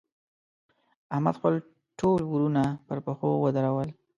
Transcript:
احمد؛ خپل ټول وروڼه پر پښو ودرول.